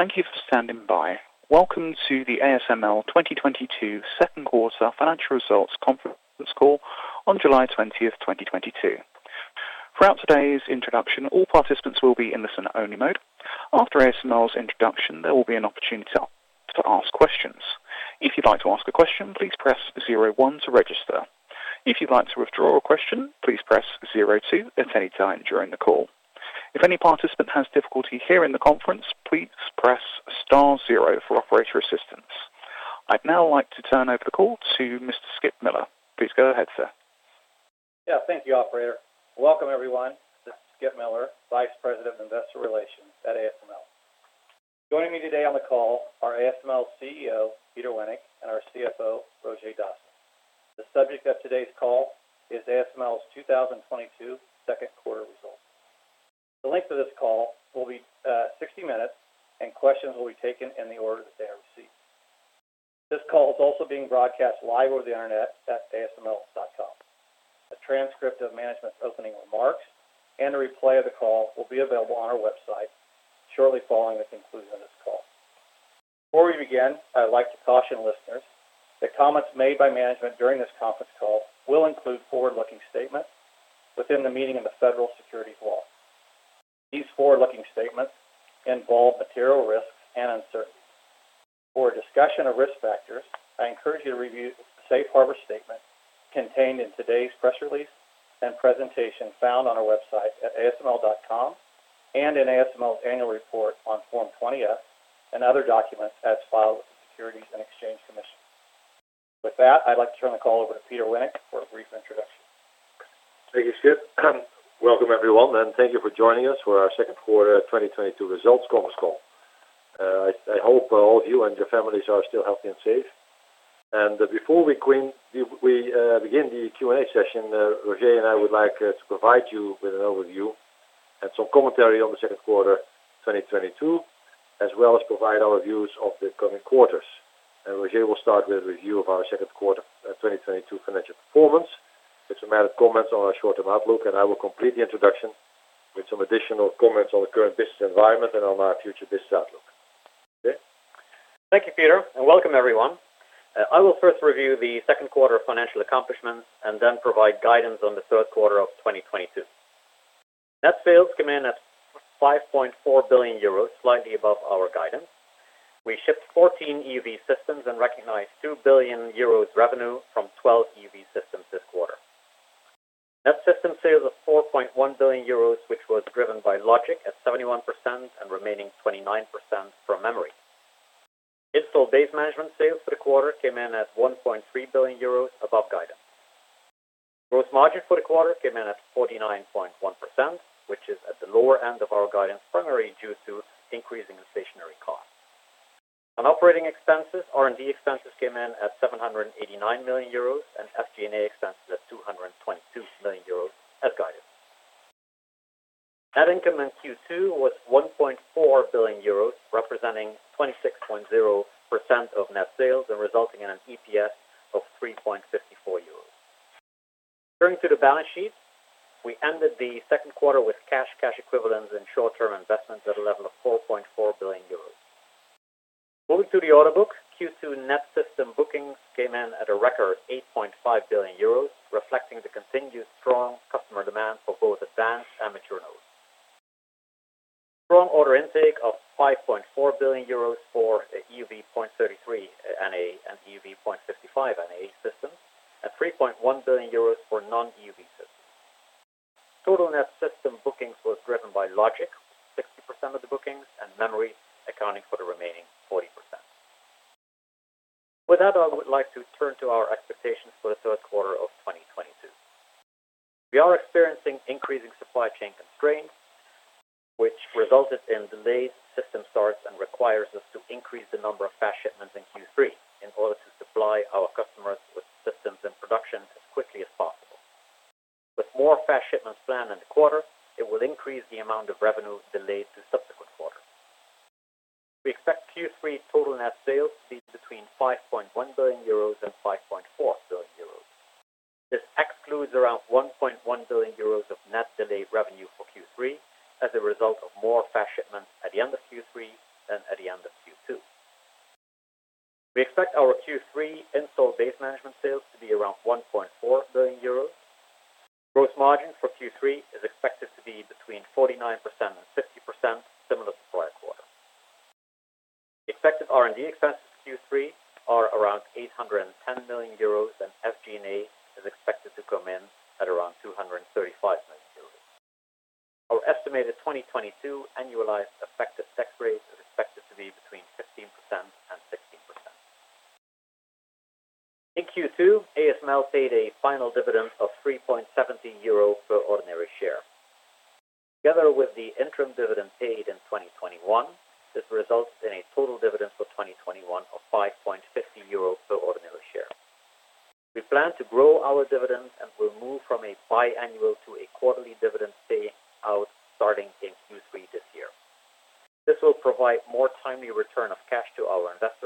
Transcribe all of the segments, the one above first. Thank you for standing by. Welcome to the ASML 2022 Second Quarter Financial Results Conference Call on July 20, 2022. Throughout today's introduction, all participants will be in listen-only mode. After ASML's introduction, there will be an opportunity to ask questions. If you'd like to ask a question, please press zero one to register. If you'd like to withdraw a question, please press zero two at any time during the call. If any participant has difficulty hearing the conference, please press star zero for operator assistance. I'd now like to turn over the call to Mr. Skip Miller. Please go ahead, sir. Yeah, thank you, operator. Welcome, everyone. This is Skip Miller, Vice President of Investor Relations at ASML. Joining me today on the call are ASML's CEO, Peter Wennink, and our CFO, Roger Dassen. The subject of today's call is ASML's 2022 second quarter results. The length of this call will be 60 minutes and questions will be taken in the order that they are received. This call is also being broadcast live over the Internet at asml.com. A transcript of management's opening remarks and a replay of the call will be available on our website shortly following the conclusion of this call. Before we begin, I'd like to caution listeners that comments made by management during this conference call will include forward-looking statements within the meaning of the federal securities law. These forward-looking statements involve material risks and uncertainties. For a discussion of risk factors, I encourage you to review the safe harbor statement contained in today's press release and presentation found on our website at asml.com and in ASML's annual report on Form 20-F and other documents as filed with the Securities and Exchange Commission. With that, I'd like to turn the call over to Peter Wennink for a brief introduction. Thank you, Skip. Welcome, everyone, and thank you for joining us for our second quarter 2022 results conference call. I hope all of you and your families are still healthy and safe. Before we begin the Q&A session, Roger and I would like to provide you with an overview and some commentary on the second quarter 2022, as well as provide our views of the coming quarters. Roger will start with a review of our second quarter 2022 financial performance, with some added comments on our short-term outlook, and I will complete the introduction with some additional comments on the current business environment and on our future business outlook. Roger? Thank you, Peter, and welcome everyone. I will first review the second quarter financial accomplishments and then provide guidance on the third quarter of 2022. Net sales came in at 5.4 billion euros, slightly above our guidance. We shipped 14 EUV systems and recognized 2 billion euros revenue from 12 EUV systems this quarter. Net system sales of 4.1 billion euros, which was driven by Logic at 71% and remaining 29% from Memory. Installed base management sales for the quarter came in at 1.3 billion euros above guidance. Gross margin for the quarter came in at 49.1%, which is at the lower end of our guidance, primarily due to increasing semi costs. On operating expenses, R&D expenses came in at 789 million euros and SG&A expenses at 222 million euros as guided. Net income in Q2 was 1.4 billion euros, representing 26.0% of net sales and resulting in an EPS of 3.54 euros. Turning to the balance sheet, we ended the second quarter with cash equivalents and short-term investments at a level of 4.4 billion euros. Moving to the order book, Q2 net system bookings came in at a record 8.5 billion euros, reflecting the continued strong customer demand for both advanced and mature nodes. Strong order intake of 5.4 billion euros for EUV 0.33 NA and EUV 0.55 NA systems, and 3.1 billion euros for non-EUV systems. Total net system bookings was driven by Logic, 60% of the bookings, and Memory accounting for the remaining 40%. With that, I would like to turn to our expectations for the third quarter of 2022. We are experiencing increasing supply chain constraints, which resulted in delayed system starts and requires us to increase the number of fast shipments in Q3 in order to supply our customers with systems and production as quickly as possible. With more fast shipments planned in the quarter, it will increase the amount of revenue delayed to subsequent quarters. We expect Q3 total net sales to be between 5.1 billion euros and 5.4 billion euros. This excludes around 1.1 billion euros of net delayed revenue for Q3 as a result of more fast shipments at the end of Q3 than at the end of Q2. We expect our Q3 installed base management sales to be around 1.4 billion euros. Gross margin for Q3 is expected to be between 49% and 50%, similar to prior quarter. Expected R&D expenses for Q3 are around 810 million euros, and SG&A is expected to come in at around 235 million euros. Our estimated 2022 annualized effective tax rate is expected to be between 15% and 16%. In Q2, ASML paid a final dividend of 3.70 euro per ordinary share. Together with the interim dividend paid in 2021, this results in a total dividend for 2021 of 5.50 euro per ordinary share. We plan to grow our dividends and will move from a biannual to a quarterly dividend pay out starting in Q3 this year. This will provide more timely return of cash to our investors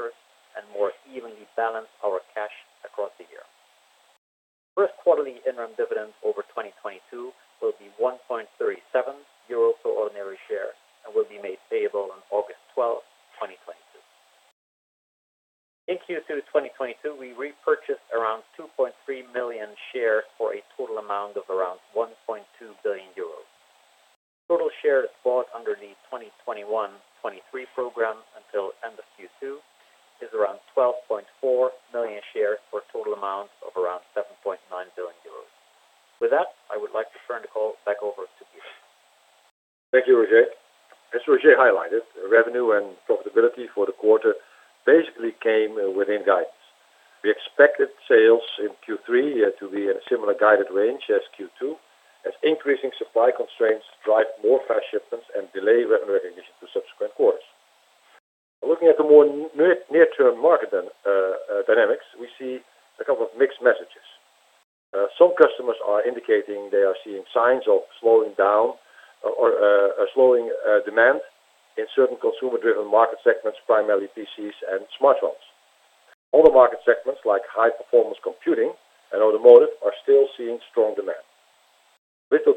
and automotive are still seeing strong demand.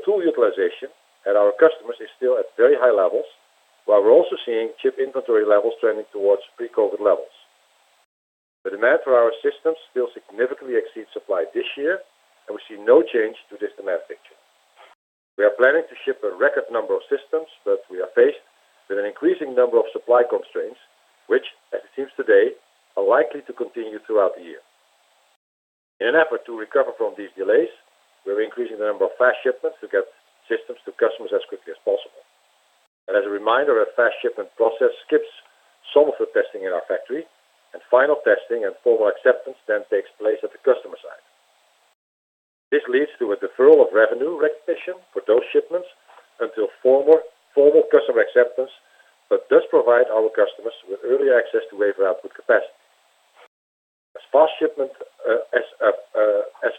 Tool utilization at our customers is still at very high levels, while we're also seeing chip inventory levels trending towards pre-COVID levels. The demand for our systems still significantly exceeds supply this year, and we see no change to this demand picture. We are planning to ship a record number of systems, but we are faced with an increasing number of supply constraints, which, as it seems today, are likely to continue throughout the year. In an effort to recover from these delays, we're increasing the number of fast shipments to get systems to customers as quickly as possible. As a reminder, a fast shipment process skips some of the testing in our factory, and final testing and formal acceptance then takes place at the customer side. This leads to a deferral of revenue recognition for those shipments until formal customer acceptance, but does provide our customers with early access to wafer output capacity. As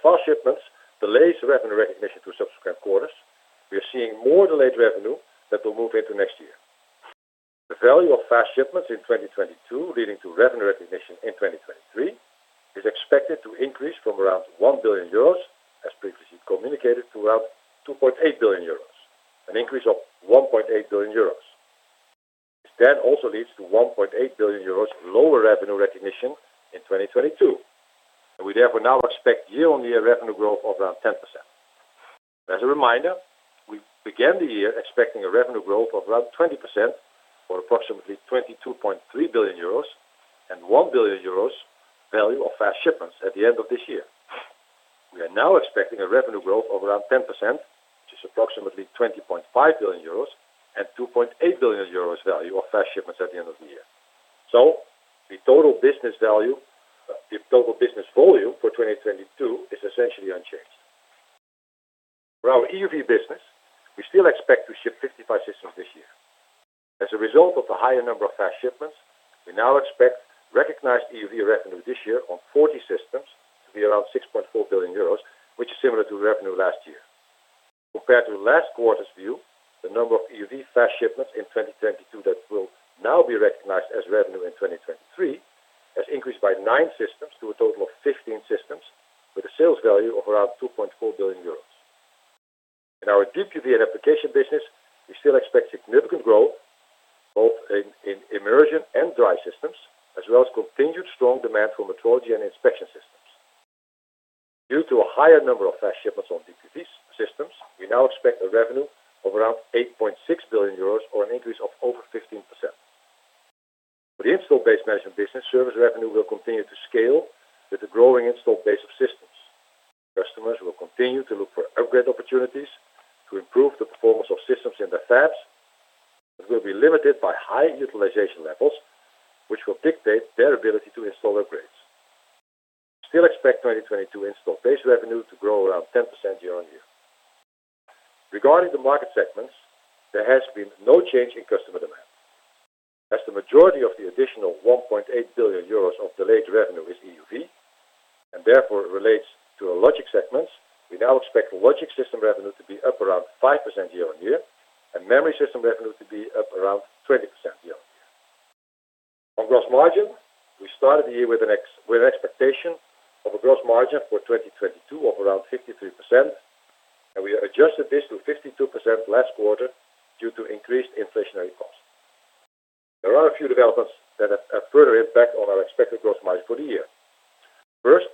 fast shipments delay revenue recognition to subsequent quarters, we are seeing more delayed revenue that will move into next year. The value of fast shipments in 2022 leading to revenue recognition in 2023 is expected to increase from around 1 billion euros, as previously communicated, to around 2.8 billion euros, an increase of 1.8 billion euros. This then also leads to 1.8 billion euros lower revenue recognition in 2022, and we therefore now expect year-on-year revenue growth of around 10%. As a reminder, we began the year expecting a revenue growth of around 20% for approximately 22.3 billion euros and 1 billion euros value of fast shipments at the end of this year. We are now expecting a revenue growth of around 10%, which is approximately 20.5 billion euros and 2.8 billion euros value of fast shipments at the end of the year. The total business value, the total business volume for 2022 is essentially unchanged. For our EUV business, we still expect to ship 55 systems this year. As a result of the higher number of fast shipments, we now expect recognized EUV revenue this year on 40 systems to be around 6.4 billion euros, which is similar to revenue last year. Compared to last quarter's view, the number of EUV fast shipments in 2022 that will now be recognized as revenue in 2023 has increased by nine systems to a total of 15 systems with a sales value of around 2.4 billion euros. In our DUV and application business, we still expect significant growth both in immersion and dry systems, as well as continued strong demand for metrology and inspection systems. Due to a higher number of fast shipments on DUV systems, we now expect a revenue of around 8.6 billion euros or an increase of over 15%. For the Installed Base Management business, service revenue will continue to scale with the growing installed base of systems. Customers will continue to look for upgrade opportunities to improve the performance of systems in their fabs, but will be limited by high utilization levels, which will dictate their ability to install upgrades. We still expect 2022 installed base revenue to grow around 10% year-on-year. Regarding the market segments, there has been no change in customer demand. As the majority of the additional 1.8 billion euros of delayed revenue is EUV and therefore relates to our Logic segments, we now expect Logic system revenue to be up around 5% year-on-year and Memory system revenue to be up around 20% year-on-year. On gross margin, we started the year with an expectation of a gross margin for 2022 of around 53%, and we adjusted this to 52% last quarter due to increased inflationary costs. There are a few developments that have a further impact on our expected gross margin for the year. First,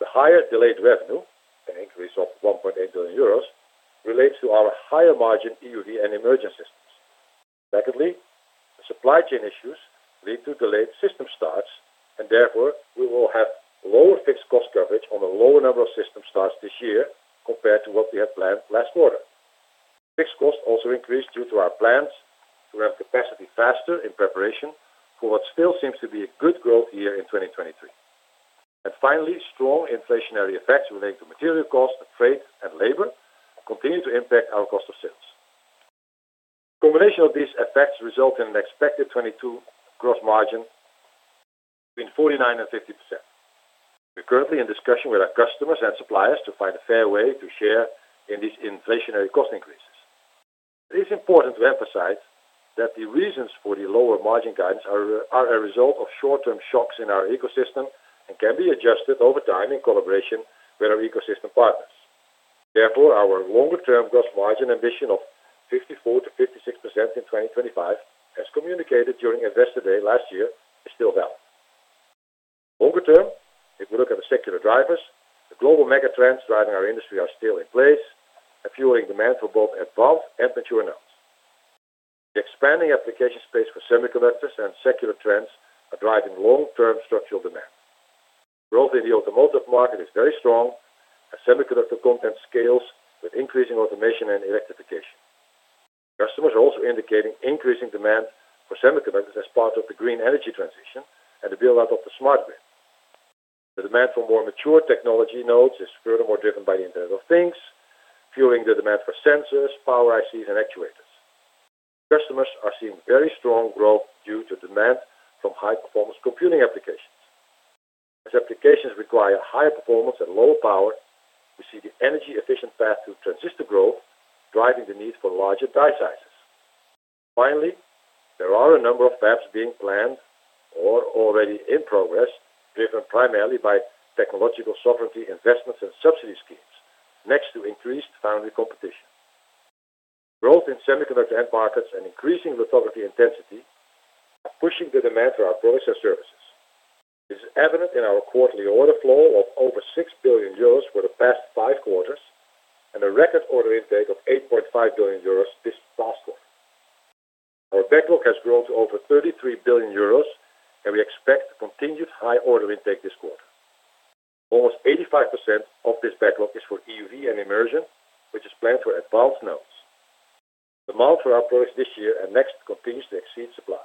the higher delayed revenue, an increase of 1.8 billion euros, relates to our higher margin EUV and immersion systems. Secondly, the supply chain issues lead to delayed system starts, and therefore we will have lower fixed cost coverage on a lower number of system starts this year compared to what we had planned last quarter. Fixed costs also increased due to our plans to ramp capacity faster in preparation for what still seems to be a good growth year in 2023. Finally, strong inflationary effects related to material costs and freight and labor will continue to impact our cost of sales. Combination of these effects result in an expected 2022 gross margin between 49% and 50%. We are currently in discussion with our customers and suppliers to find a fair way to share in this inflationary cost increase. It is important to emphasize that the reasons for the lower margin guidance are a result of short-term shocks in our ecosystem and can be adjusted over time in collaboration with our ecosystem partners. Therefore, our longer-term gross margin ambition of 54% to 56% in 2025, as communicated during Investor Day last year, is still valid. Longer term, if we look at the secular drivers, the global mega trends driving our industry are still in place, and fueling demand for both advanced and mature nodes. The expanding application space for semiconductors and secular trends are driving long-term structural demand. Growth in the automotive market is very strong, as semiconductor content scales with increasing automation and electrification. Customers are also indicating increasing demand for semiconductors as part of the green energy transition and the build out of the smart grid. The demand for more mature technology nodes is furthermore driven by the Internet of Things, fueling the demand for sensors, Power ICs, and actuators. Customers are seeing very strong growth due to demand from high-performance computing applications. As applications require higher performance and lower power, we see the energy-efficient path to transistor growth driving the need for larger die sizes. Finally, there are a number of fabs being planned or already in progress, driven primarily by technological sovereignty investments and subsidy schemes, next to increased foundry competition. Growth in semiconductor end markets and increasing lithography intensity are pushing the demand for our process services. This is evident in our quarterly order flow of over 6 billion euros for the past five quarters, and a record order intake of 8.5 billion euros this past quarter. Our backlog has grown to over 33 billion euros, and we expect continued high order intake this quarter. Almost 85% of this backlog is for EUV and immersion, which is planned for advanced nodes. Demand for our products this year and next continues to exceed supply.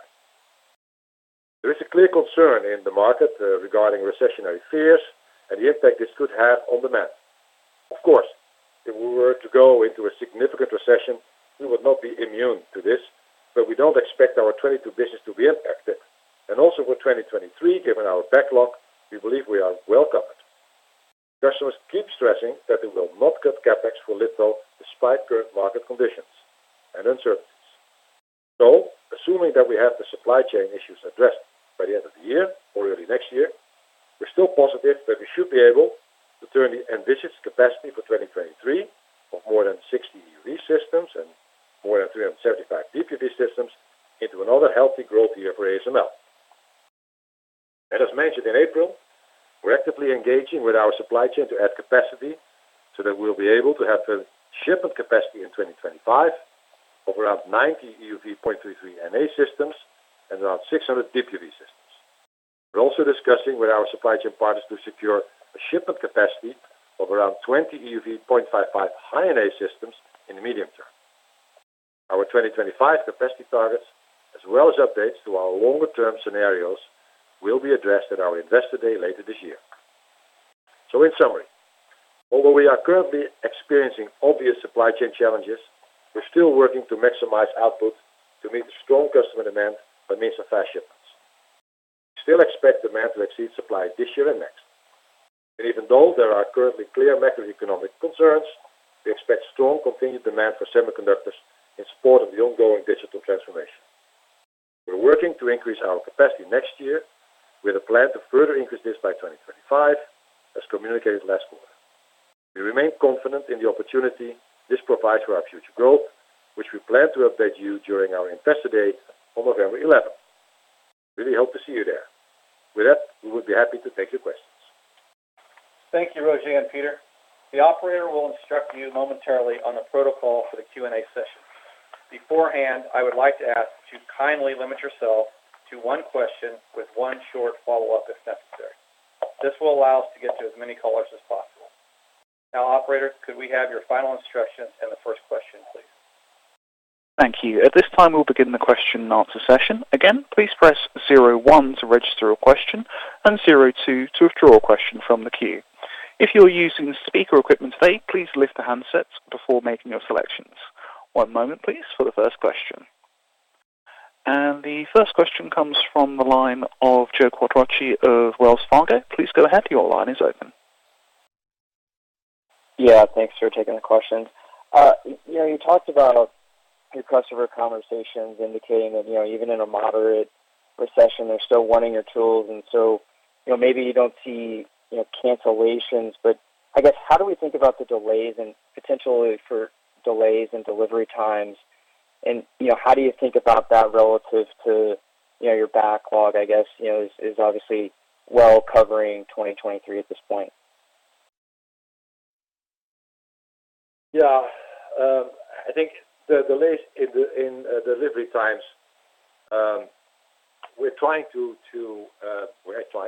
There is a clear concern in the market regarding recessionary fears and the impact this could have on demand. Of course, if we were to go into a significant recession, we would not be immune to this, but we don't expect our 2022 business to be impacted. Also for 2023, given our backlog, we believe we are well covered. Customers keep stressing that they will not cut CapEx for litho despite current market conditions and uncertainties. Assuming that we have the supply chain issues addressed by the end of the year or early next year, we're still positive that we should be able to turn the ambitious capacity for 2023 of more than 60 EUV systems and more than 375 DUV systems into another healthy growth year for ASML. As mentioned in April, we're actively engaging with our supply chain to add capacity so that we'll be able to have a shipment capacity in 2025 of around 90 EUV 0.33 NA systems and around 600 DUV systems. We're also discussing with our supply chain partners to secure a shipment capacity of around 20 EUV 0.55 High-NA systems in the medium term. Our 2025 capacity targets as well as updates to our longer-term scenarios will be addressed at our Investor Day later this year. In summary, although we are currently experiencing obvious supply chain challenges, we're still working to maximize output to meet the strong customer demand by means of fast shipments. We still expect demand to exceed supply this year and next. Even though there are currently clear macroeconomic concerns, we expect strong continued demand for semiconductors in support of the ongoing digital transformation. We're working to increase our capacity next year with a plan to further increase this by 2025, as communicated last quarter. We remain confident in the opportunity this provides for our future growth, which we plan to update you during our Investor Day on November 11. Really hope to see you there. With that, we would be happy to take your questions. Thank you, Roger and Peter. The operator will instruct you momentarily on the protocol for the Q&A session. Beforehand, I would like to ask you to kindly limit yourselves to one question with one short follow-up if necessary. This will allow us to get to as many callers as possible. Now, operator, could we have your final instructions and the first question, please? Thank you. At this time, we'll begin the question-and-answer session. Again, please press zero one to register a question and zero two to withdraw a question from the queue. If you're using speaker equipment today, please lift the handsets before making your selections. One moment please for the first question. The first question comes from the line of Joe Quatrochi of Wells Fargo. Please go ahead. Your line is open. Yeah, thanks for taking the questions. You know, you talked about your customer conversations indicating that, you know, even in a moderate recession, they're still wanting your tools. You know, maybe you don't see, you know, cancellations, but I guess, how do we think about the delays and potentially for delays in delivery times? You know, how do you think about that relative to your backlog, I guess, you know, is obviously well covering 2023 at this point. Yeah. I think the delays in the delivery times.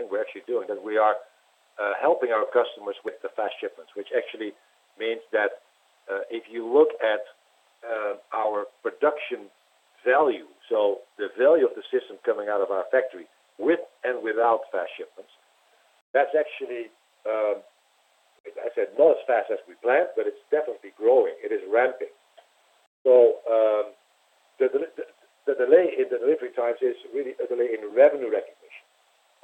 We're actually doing, and we are helping our customers with the fast shipments, which actually means that if you look at our production value, so the value of the system coming out of our factory with and without fast shipments, that's actually, as I said, not as fast as we planned, but it's definitely growing. It is ramping. The delay in the delivery times is really a delay in revenue recognition.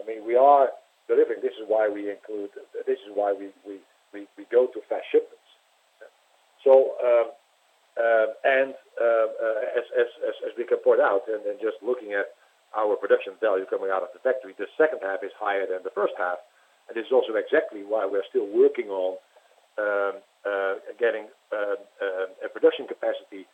I mean, we are delivering. This is why we go to fast shipments as we can point out and then just looking at our production value coming out of the factory, the second half is higher than the first half. This is also exactly why we're still working on getting a production capacity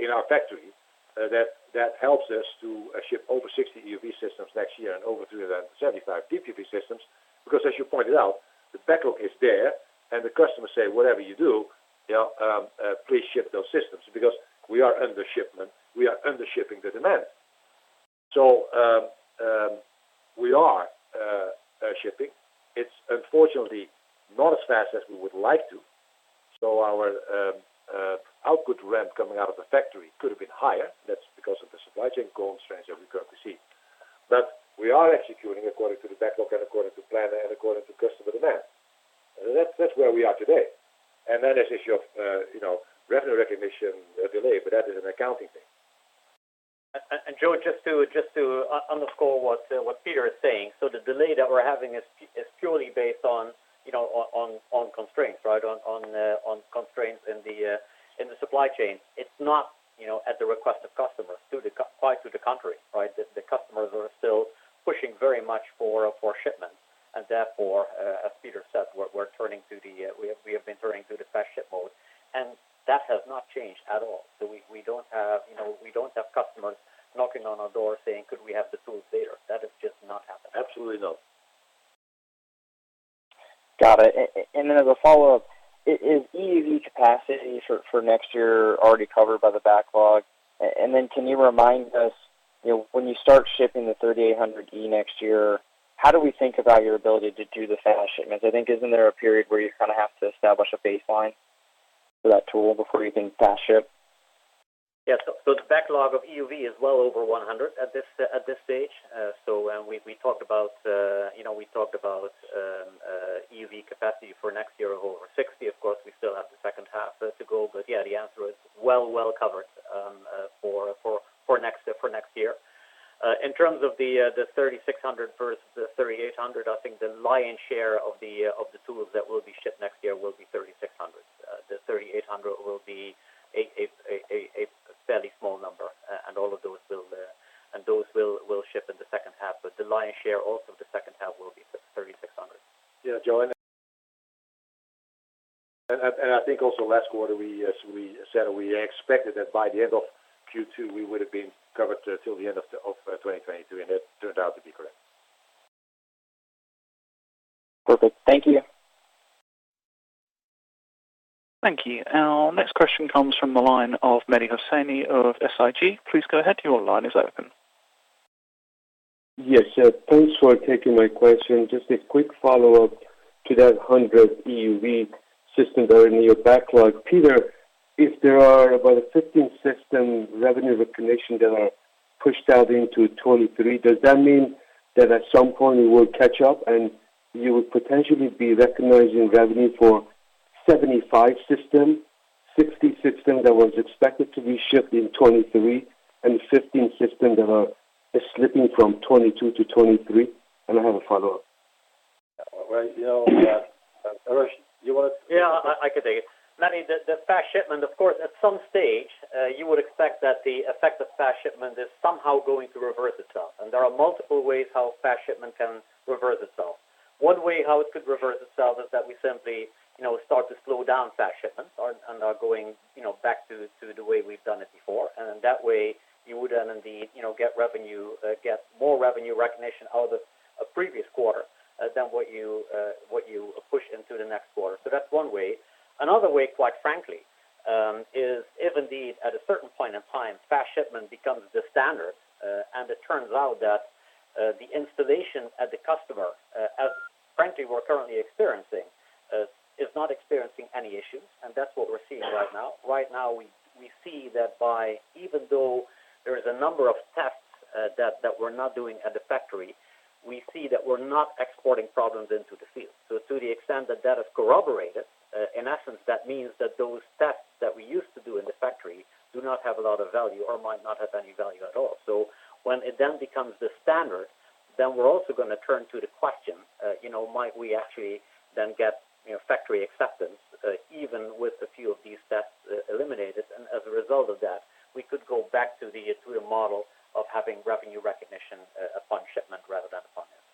in our factory that helps us to ship over 60 EUV systems next year and over 375 DUV systems. Because as you pointed out, the backlog is there, and the customers say, "Whatever you do, you know, please ship those systems," because we are under shipment. We are under shipping the demand. We are shipping. It's unfortunately not as fast as we would like to. Our output ramp coming out of the factory could have been higher. That's because of the supply chain constraints that we currently see. We are executing according to the backlog and according to plan and according to customer demand. That's where we are today. Then this issue of, you know, revenue recognition delay, but that is an accounting thing. Joe, just to underscore what Peter is saying, the delay that we're having is purely based on, you know, on constraints, right? On constraints in the supply chain. It's not, you know, at the request of customers. Quite to the contrary, right? The customers are still pushing very much for shipments. Therefore, as Peter said, we have been turning to the fast ship mode, and that has not changed at all. We don't have, you know, customers knocking on our door saying, "Could we have the tools later?" That has just not happened. Absolutely not. Got it. As a follow-up, is EUV capacity for next year already covered by the backlog? Can you remind us, you know, when you start shipping the NXE:3800E next year, how do we think about your ability to do the fast shipments? I think isn't there a period where you kind of have to establish a baseline for that tool before you can fast ship? Yeah. The backlog of EUV is well over 100 at this stage. We talked about, you know, we talked about EUV capacity for next year of over 60. Of course, we still have the second half to go. Yeah, the answer is well covered for next year. In terms of the TWINSCAN NXE:3600D versus the NXE:3800E, I think the lion's share of the tools that will be shipped next year will be TWINSCAN NXE:3600D. The NXE:3800E will be a fairly small number, and all of those will ship in the second half. The lion's share also of the second half will be TWINSCAN NXE:3600D. Yeah, Joe, and I think also last quarter, we, as we said, we expected that by the end of Q2, we would have been covered till the end of 2023, and it turned out to be correct. Perfect. Thank you. Thank you. Our next question comes from the line of Mehdi Hosseini of SIG. Please go ahead. Your line is open. Yes. Thanks for taking my question. Just a quick follow-up to that 100 EUV systems that are in your backlog. Peter, if there are about 15 system revenue recognition that are pushed out into 2023, does that mean that at some point it will catch up and you would potentially be recognizing revenue for 75 system, 60 system that was expected to be shipped in 2023, and 15 system that are slipping from 2022 to 2023? I have a follow-up. All right. You know, yeah. Roger Dassen, you want to— Yeah, I can take it. Mehdi, the fast shipment, of course, at some stage, you would expect that the effect of fast shipment is somehow going to reverse itself. There are multiple ways how fast shipment can reverse itself. One way how it could reverse itself is that we simply, you know, start to slow down fast shipments and are going, you know, back to the way we've done it before. In that way, you would then indeed, you know, get revenue, get more revenue recognition out of a previous quarter than what you what you push into the next quarter. That's one way. Another way, quite frankly, is if indeed at a certain point in time, fast shipment becomes the standard, and it turns out that, the installation at the customer, as frankly we're currently experiencing, is not experiencing any issues, and that's what we're seeing right now. Right now, we see that even though there is a number of tests, that we're not doing at the factory, we see that we're not exporting problems into the field. To the extent that that is corroborated, in essence, that means that those tests that we used to do in the factory do not have a lot of value or might not have any value at all. When it then becomes the standard, then we're also gonna turn to the question, you know, might we actually then get, you know, Factory Acceptance, even with a few of these tests eliminated. As a result of that, we could go back to the model of having revenue recognition upon shipment rather than upon installation.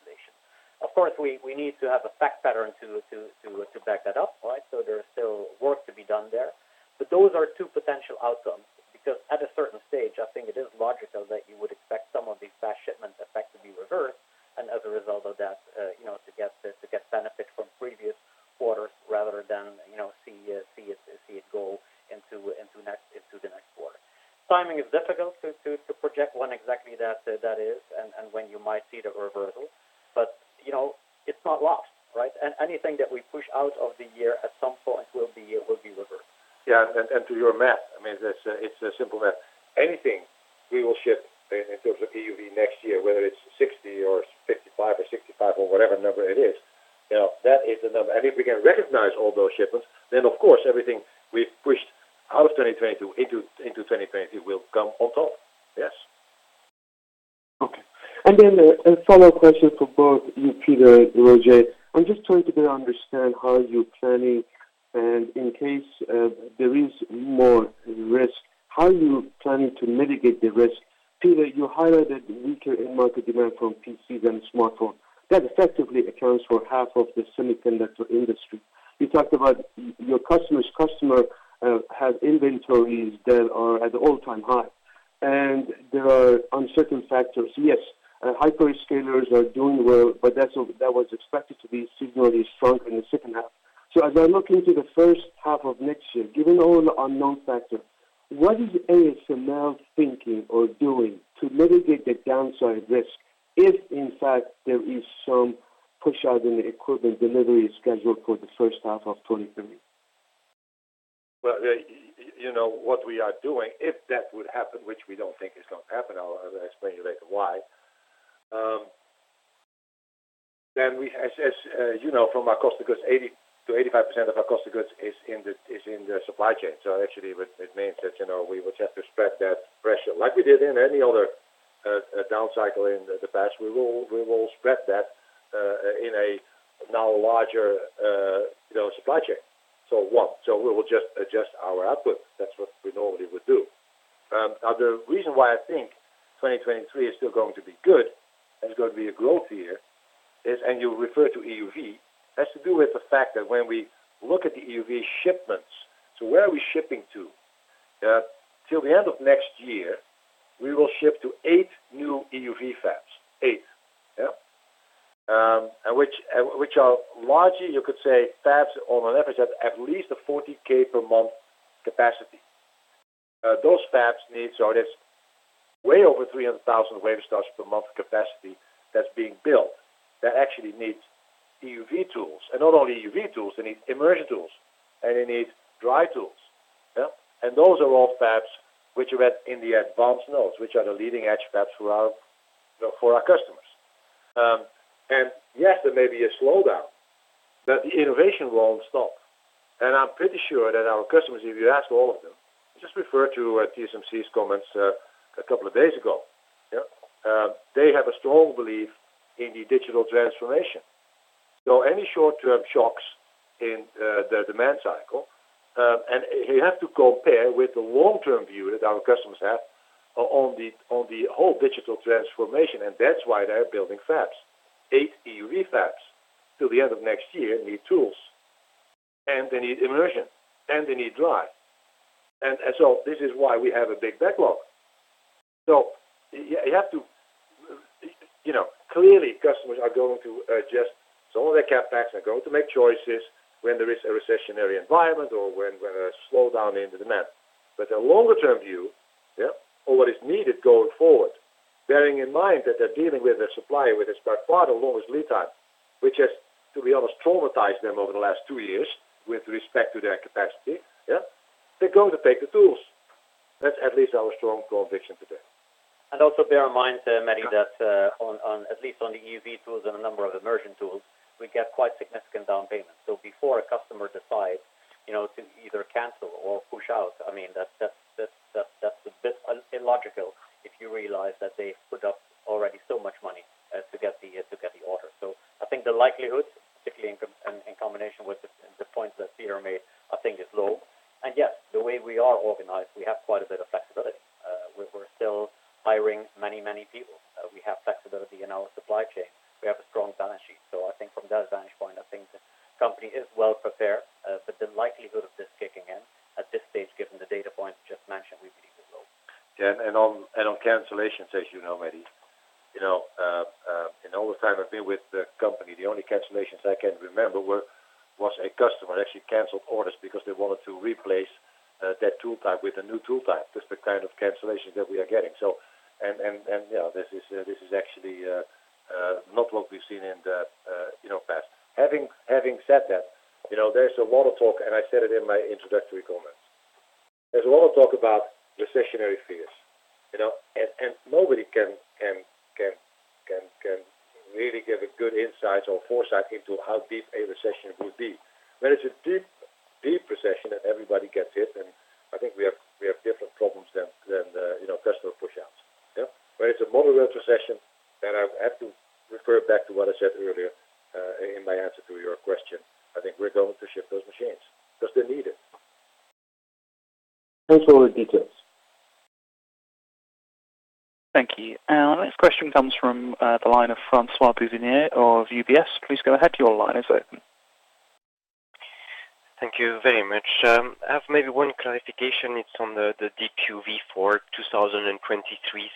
Of course, we need to have a fact pattern to back that up. All right. There's still work to be done there. Those are two potential outcomes, because at a certain stage, I think it is logical that you would expect some of these fast shipment effects to be reversed. As a result of that, you know, to get benefit from previous quarters rather than, you know, see it go into the next quarter. Timing is difficult to project when exactly that is and when you might see the reversal. You know, it's not lost, right? Anything that we push out of the year at some point will be reversed. Yeah. To your math, I mean, it's a simple math. Anything we will ship in terms of EUV next year, whether it's 60 or 55 or 65 or whatever number it is, you know, that is the number. If we can recognize all those shipments, then of course, everything we've pushed out of 2022 into 2023, we'll come on top. Yes. Okay. A follow-up question for both you, Peter and Roger. I'm just trying to better understand how you're planning, and in case there is more risk, how are you planning to mitigate the risk? Peter, you highlighted weaker end market demand from PC than smartphone. That effectively accounts for half of the semiconductor industry. You talked about your customer's customer have inventories that are at all-time high, and there are uncertain factors. Yes, hyperscalers are doing well, but that was expected to be significantly strong in the second half. I look into the first half of next year, given all the unknown factors, what is ASML thinking or doing to mitigate the downside risk if in fact there is some push out in the equipment delivery schedule for the first half of 2023? Well, you know what we are doing, if that would happen, which we don't think is gonna happen, I'll explain to you later why. As you know, from our cost of goods, 80%-85% of our cost of goods is in the supply chain. Actually what it means is, you know, we will have to spread that pressure like we did in any other down cycle in the past. We will spread that in a now larger supply chain. What? We will just adjust our output. That's what we normally would do. Now the reason why I think 2023 is still going to be good and it's going to be a growth year is, and you refer to EUV, has to do with the fact that when we look at the EUV shipments, so where are we shipping to? Till the end of next year, we will ship to eight new EUV Fabs 8. And which are largely, you could say fabs on an average at least a 40K per month capacity. Those fabs need. So there's way over 300,000 wafer starts per month capacity that's being built that actually needs EUV tools. Not only EUV tools, they need immersion tools, and they need dry tools. Those are all fabs which are at in the advanced nodes, which are the leading edge fabs for our, you know, for our customers. Yes, there may be a slowdown, but the innovation won't stop. I'm pretty sure that our customers, if you ask all of them, just refer to TSMC's comments a couple of days ago. Yeah. They have a strong belief in the digital transformation. Any short-term shocks in the demand cycle, and you have to compare with the long-term view that our customers have on the whole digital transformation, and that's why they're building fabs. 8 EUV Fabs till the end of next year need tools, and they need immersion, and they need dry. This is why we have a big backlog. You have to— You know, clearly customers are going to adjust some of their CapEx. They're going to make choices when there is a recessionary environment or when a slowdown in the demand. The longer term view, yeah, or what is needed going forward, bearing in mind that they're dealing with a supplier with by far the longest lead time, which has, to be honest, traumatized them over the last two years with respect to their capacity, yeah, they're going to take the tools. That's at least our strong conviction today. Also bear in mind, Mehdi Hosseini, that on at least the EUV tools and a number of immersion tools, we get quite significant down payments. Before a customer decide, you know, to either cancel or push out, I mean, that's a bit illogical if you realize that they put up already so much money to get the order. I think the likelihood, particularly in combination with the point that Peter Wennink made, I think is low. Yes, the way we are organized, we have quite a bit of flexibility. We're still hiring many people. We have flexibility in our supply chain. We have a strong balance sheet. I think from that vantage point, I think the company is well prepared. The likelihood of this kicking in at this stage, given the data points you just mentioned, we believe is low. Yeah. On cancellations, as you know, Mehdi, in all the time I've been with the company, the only cancellations I can remember was a customer actually canceled orders because they wanted to replace that tool type with a new tool type. That's the kind of cancellations that we are getting. You know, this is actually not what we've seen in the past. Having said that, you know, there's a lot of talk, and I said it in my introductory comments. There's a lot of talk about recessionary fears, you know, and nobody can really give a good insight or foresight into how deep a recession will be. When it's a deep, deep recession and everybody gets hit, then I think we have different problems than you know, customer pushouts. Yeah. When it's a moderate recession, then I have to refer back to what I said earlier, in my answer to your question. I think we're going to ship those machines 'cause they're needed. Thanks for all the details. Thank you. Our next question comes from the line of François Bouvignies of UBS. Please go ahead. Your line is open. Thank you very much. I have maybe one clarification. It's on the DUV for 2023.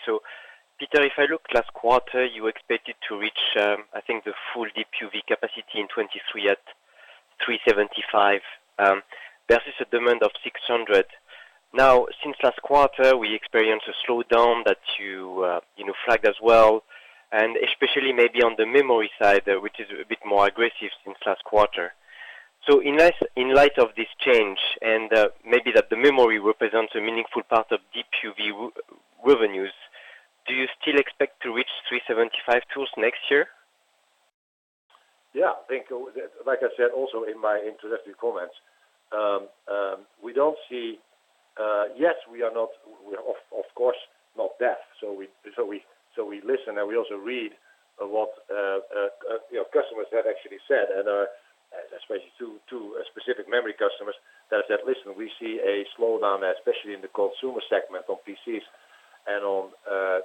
Peter, if I look last quarter, you expected to reach, I think the full DUV capacity in 2023 at 375, versus a demand of 600. Now, since last quarter, we experienced a slowdown that you know, flagged as well, and especially maybe on the Memory side, which is a bit more aggressive since last quarter. In this, in light of this change and, maybe that the Memory represents a meaningful part of DUV revenues, do you still expect to reach 375 tools next year? Yeah, I think, like I said also in my introductory comments, yes, we are, of course, not deaf. We listen, and we also read a lot, you know, customers have actually said, and especially to specific Memory customers that we see a slowdown, especially in the consumer segment on PCs and on,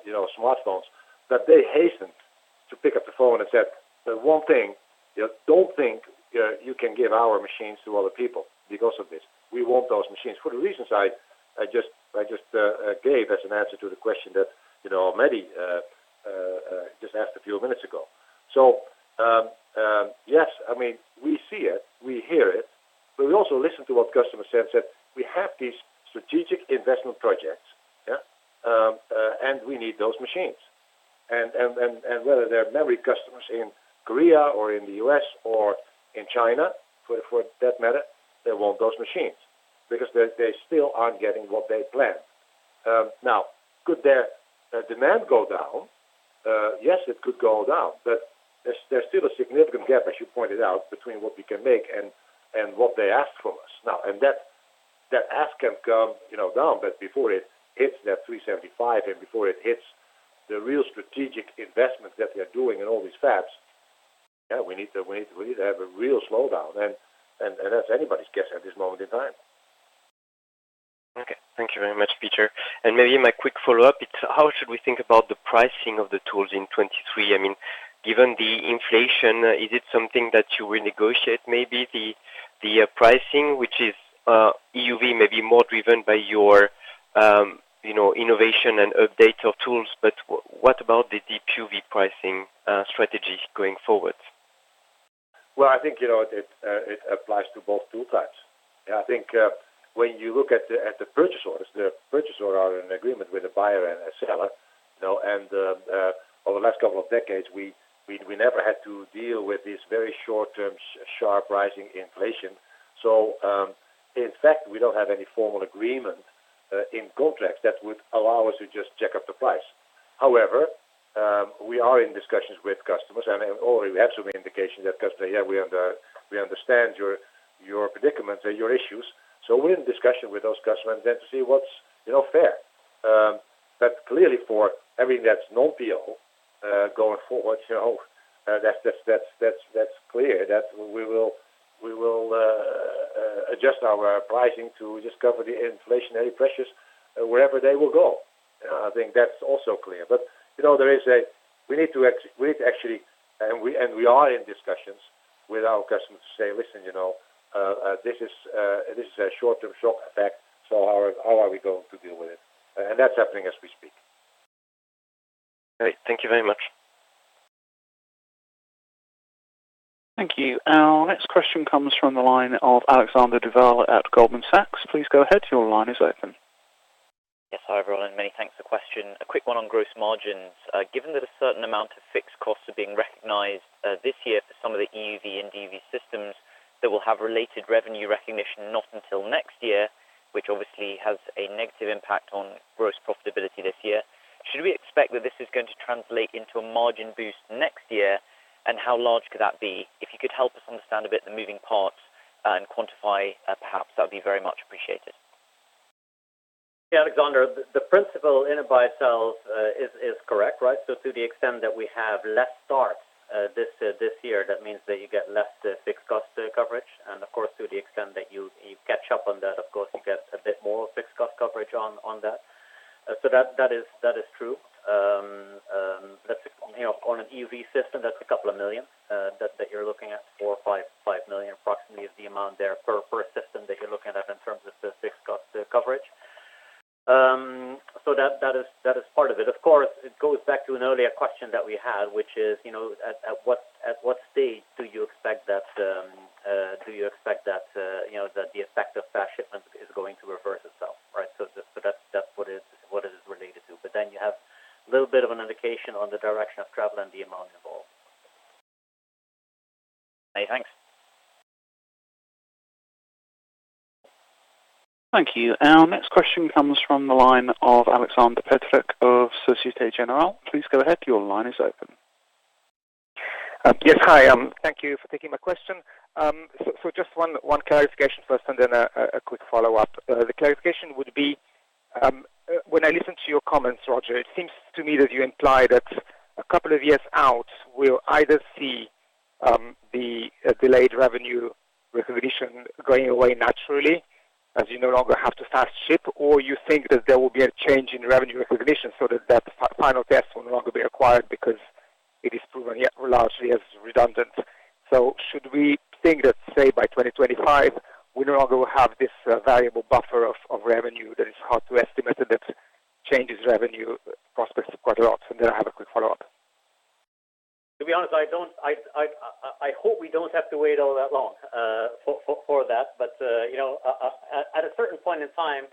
you know, smartphones, that they hastened to pick up the phone and said, "The one thing, don't think you can give our machines to other people because of this. We want those machines." For the reasons I just gave as an answer to the question that, you know, Mehdi just asked a few minutes ago. Yes, I mean, we see it, we hear it, but we also listen to what customers said, that we have these strategic investment projects, yeah? And we need those machines whether they're Memory customers in Korea or in the U.S. or in China for that matter, they want those machines because they still aren't getting what they planned. Now, could their demand go down? Yes, it could go down, but there's still a significant gap, as you pointed out, between what we can make and what they ask from us now. That ask can come, you know, down, but before it hits that 375 and before it hits the real strategic investment that they are doing in all these fabs, yeah, we need to have a real slowdown. That's anybody's guess at this moment in time. Okay. Thank you very much, Peter. Maybe my quick follow-up, it's how should we think about the pricing of the tools in 2023? I mean, given the inflation, is it something that you renegotiate maybe the pricing, which is, EUV may be more driven by your, you know, innovation and updates of tools, but what about the DUV pricing strategy going forward? Well, I think, you know, it applies to both tool types. I think, when you look at the purchase orders, the purchase orders are in agreement with the buyer and a seller, you know, and, over the last couple of decades, we never had to deal with this very short-term sharp rising inflation. In fact, we don't have any formal agreement in contracts that would allow us to just jack up the price. However, we are in discussions with customers and already we have some indication that customers, "Yeah, we understand your predicaments and your issues." We're in discussion with those customers then to see what's, you know, fair. Clearly for every net non-PO going forward, you know, that's clear that we will adjust our pricing to just cover the inflationary pressures wherever they will go. I think that's also clear. You know, we need to actually and we are in discussions with our customers to say, "Listen, you know, this is a short-term shock effect, so how are we going to deal with it?" That's happening as we speak. Great. Thank you very much. Thank you. Our next question comes from the line of Alexander Duval at Goldman Sachs. Please go ahead. Your line is open. Yes. Hi, everyone. Many thanks for the question. A quick one on gross margins. Given that a certain amount of fixed costs are being recognized this year for some of the EUV and DUV systems that will have related revenue recognition not until next year, which obviously has a negative impact on gross profitability this year, should we expect that this is going to translate into a margin boost next year? And how large could that be? If you could help us understand a bit the moving parts and quantify, perhaps, that would be very much appreciated. Yeah, Alexander, the principle in and by itself is correct, right? To the extent that we have less starts this year, that means that you get less fixed cost coverage. Of course, to the extent that you catch up on that, of course, you get a bit more fixed cost coverage on that. That is true. That's, you know, on an EUV system, that's a couple of million that you're looking at, 4 million or 5 million approximately is the amount there per system that you're looking at in terms of the fixed cost coverage. That is part of it. Of course, it goes back to an earlier question that we had, which is, you know, at what stage do you expect that you know that the effect of fast shipment is going to reverse itself, right? That's what it is related to. You have a little bit of an indication on the direction of travel and the amount involved. Many thanks. Thank you. Our next question comes from the line of Aleksander Peterc of Société Générale. Please go ahead. Your line is open. Yes. Hi. Thank you for taking my question. So just one clarification first and then a quick follow-up. The clarification would be, when I listen to your comments, Roger, it seems to me that you imply that a couple of years out, we'll either see the delayed revenue recognition going away naturally as you no longer have to fast ship, or you think that there will be a change in revenue recognition so that that final test will no longer be acquired because it is proven largely as redundant. Should we think that, say, by 2025, we no longer will have this variable buffer of revenue that is hard to estimate and that changes revenue prospects quite a lot? I have a quick follow-up. To be honest, I hope we don't have to wait all that long for that. You know, at a certain point in time,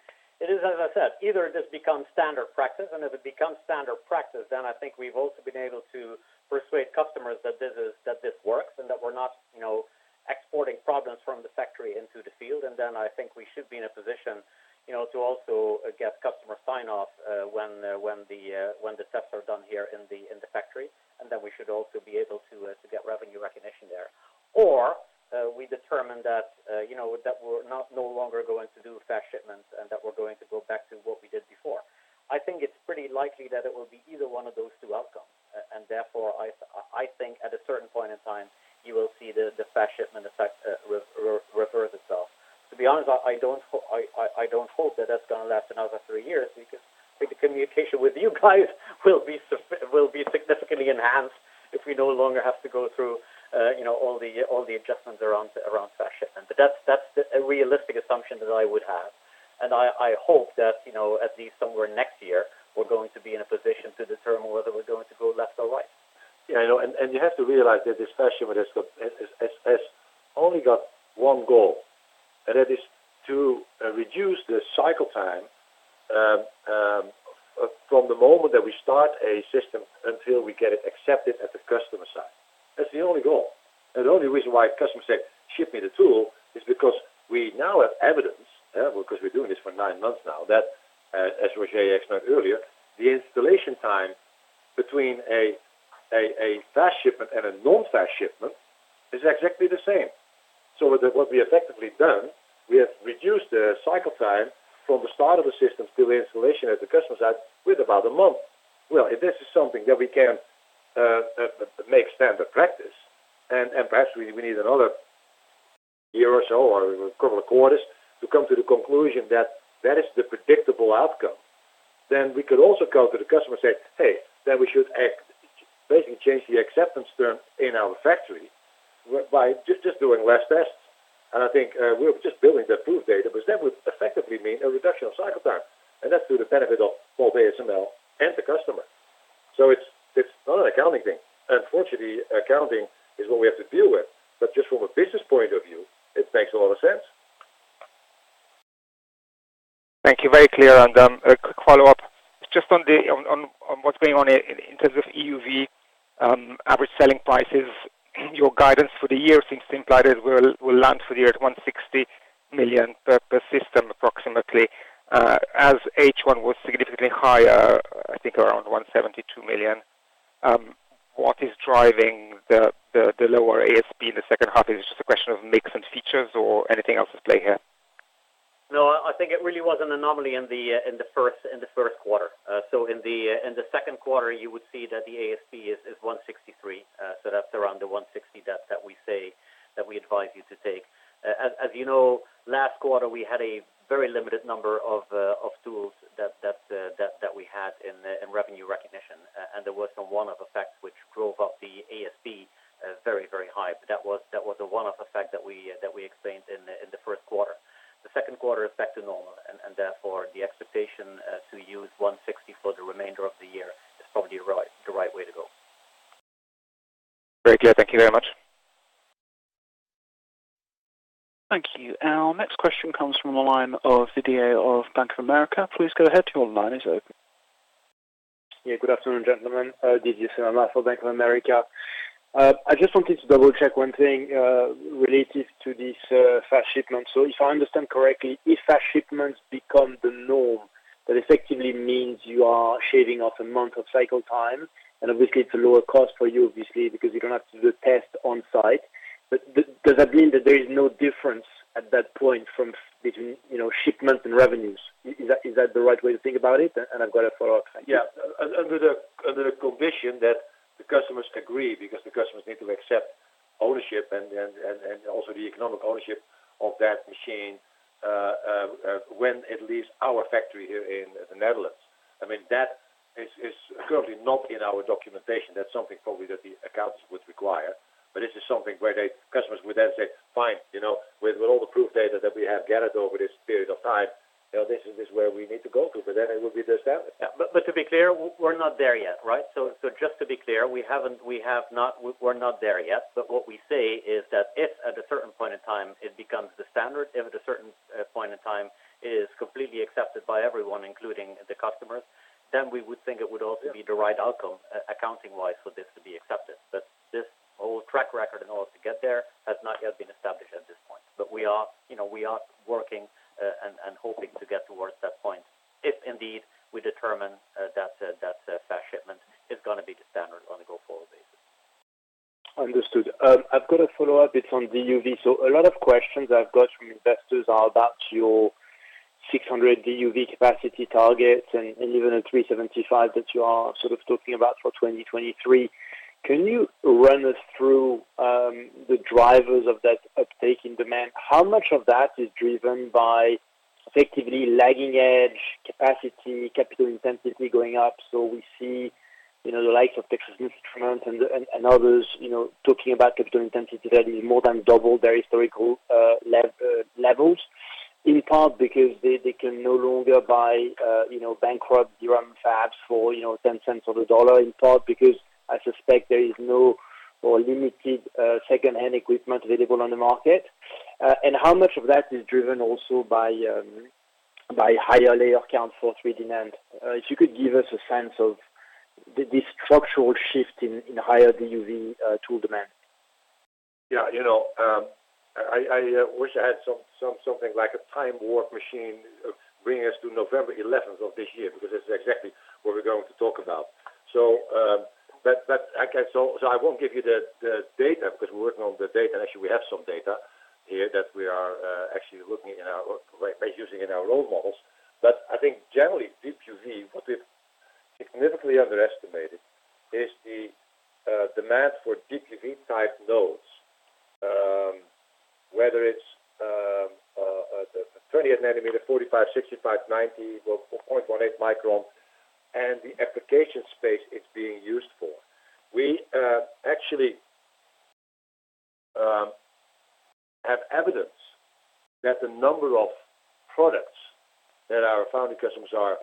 it is, as I said, either this becomes standard practice, and if it becomes standard practice, then I think we've also been able to persuade customers that this is, that this works and that we're not, you know, exporting products from the factory into the field, and then I think we should be in a position, you know, to also get customer sign off when the tests are done here in the factory, and then we should also be able to get revenue recognition there. We determine that, you know, that we're no longer going to do fast shipments and that we're going to go back to what we did before. I think it's pretty likely that it will be either one of those two outcomes. Therefore, I think at a certain point in time, you will see the fast shipment effect reverse itself. To be honest, I don't hope that that's gonna last another three years because I think the communication with you guys will be significantly enhanced if we no longer have to go through, you know, all the adjustments around fast shipments. That's a realistic assumption that I would have. I hope that, you know, at least somewhere next year, we're going to be in a position to determine whether we're going to go left or right. Yeah, I know. You have to realize that this fast shipment has only got one goal, and that is to reduce the cycle time from the moment that we start a system until we get it accepted at the customer side. That's the only goal. The only reason why customers say, "Ship me the tool," is because we now have evidence because we're doing this for nine months now that as Roger explained earlier, the installation time between a fast shipment and a non-fast shipment is exactly the same. What we effectively done, we have reduced the cycle time from the start of the system to the installation at the customer side with about a month. Well, if this is something that we can make standard practice, and perhaps we need another year or so or a couple of quarters to come to the conclusion that that is the predictable outcome, then we could also go to the customer say, "Hey, then we should act." Basically change the acceptance term in our factory by just doing less tests. I think we're just building the proof data, because that would effectively mean a reduction of cycle time, and that's to the benefit of ASML and the customer. It's not an accounting thing. Unfortunately, accounting is what we have to deal with. Just from a business point of view, it makes a lot of sense. Thank you. Very clear. A quick follow-up. Just on what's going on in terms of EUV, average selling prices, your guidance for the year seems to imply that we'll land for the year at 160 million per system approximately. As H1 was significantly higher, I think around 172 million, what is driving the lower ASP in the second half? Is it just a question of mix and features or anything else at play here? No, I think it really was an anomaly in the first quarter. In the second quarter, you would see that the ASP is 163. That's around the 160 that we advise you to take. As you know, last quarter, we had a very limited number of tools that we had in revenue recognition. There was some one-off effects which drove up the ASP very high. That was a one-off effect that we explained in the first quarter. The second quarter is back to normal and therefore the expectation to use 160 for the remainder of the year is probably the right way to go. Great. Yeah. Thank you very much. Thank you. Our next question comes from the line of Didier of Bank of America. Please go ahead. Your line is open. Yeah. Good afternoon, gentlemen. Didier Scemama for Bank of America. I just wanted to double-check one thing, related to this, fast shipment. So if I understand correctly, if fast shipments become the norm, that effectively means you are shaving off a month of cycle time, and obviously it's a lower cost for you, obviously, because you don't have to do the test on-site. But does that mean that there is no difference at that point from between, you know, shipments and revenues? Is that, is that the right way to think about it? And I've got a follow-up. Thank you. Yeah. Under the condition that the customers agree, because the customers need to accept ownership and also the economic ownership of that machine when it leaves our factory here in the Netherlands. I mean, that is currently not in our documentation. That's something probably that the accountants would require. This is something where the customers would then say, "Fine, you know, with all the proof data that we have gathered over this period of time, you know, this is where we need to go to." Then it will be the standard. Yeah. To be clear, we're not there yet, right? Just to be clear, we're not there yet. What we say is that if at a certain point in time it becomes the standard, if at a certain point in time it is completely accepted by everyone, including the customers, then we would think it would also be the right outcome accounting-wise for this to be accepted. This whole track record in order to get there has not yet been established at this point. We are, you know, working and hoping to get towards that point if indeed we determine that fast shipment is gonna be the standard on a go-forward basis. Understood. I've got a follow-up. It's on DUV. A lot of questions I've got from investors are about your 600 DUV capacity targets and even at 375 that you are sort of talking about for 2023. Can you run us through the drivers of that uptake in demand? How much of that is driven by effectively lagging edge capacity, capital intensity going up? We see, you know, the likes of Texas Instruments and others, you know, talking about capital intensity that is more than double their historical levels. In part because they can no longer buy, you know, bankrupt DRAM fabs for, you know, 10 cents on the dollar, in part because I suspect there is no or limited second-hand equipment available on the market. How much of that is driven also by higher layer count for 3D NAND? If you could give us a sense of this structural shift in higher DUV tool demand. Yeah. You know, I wish I had something like a time warp machine of bringing us to November 11 of this year, because that's exactly what we're going to talk about. I won't give you the data because we're working on the data, and actually we have some data here that we are actually looking, like, using in our role models. I think generally DUV, what we've significantly underestimated is the demand for DUV type nodes, whether it's the 20th nanometer, 45, 65, 90 or 0.18 micron and the application space it's being used for. We actually have evidence that the number of products that our foundry customers are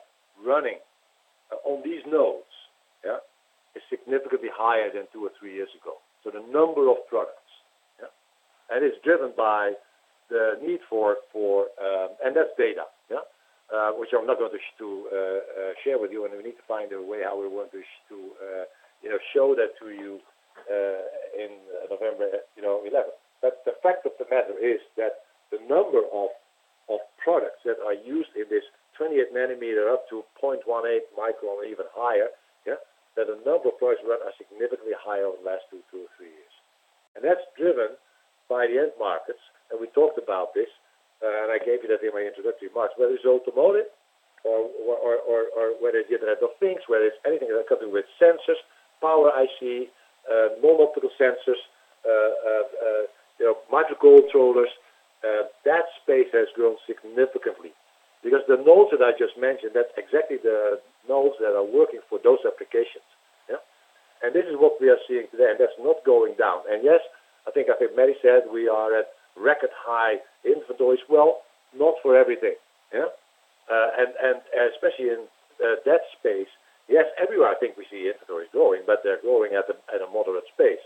running on these nodes, yeah, is significantly higher than two or three years ago. The number of products. It's driven by the need for. That's data, which I'm not going to share with you. We need to find a way how we want to show that to you in November, you know, eleventh. The fact of the matter is that the number of products that are used in this 20th nanometer up to 0.18 micron or even higher, that the number of products run are significantly higher over the last two to three years. That's driven by the end markets. We talked about this, and I gave you that in my introductory remarks, whether it's automotive or whether the Internet of Things, whether it's anything that comes in with sensors, Power ICs, Mobile Sensors, you know, Microcontrollers, that space has grown significantly because the nodes that I just mentioned, that's exactly the nodes that are working for those applications. Yeah. This is what we are seeing today, and that's not going down. Yes, I think Mehdi Hosseini said we are at record high inventories. Well, not for everything. Yeah. And especially in that space. Yes, everywhere I think we see inventories growing, but they're growing at a moderate pace.